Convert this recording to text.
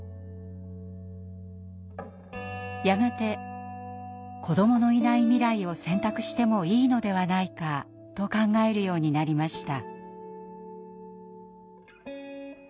やがて子どものいない未来を選択してもいいのではないかと考えるようになりました。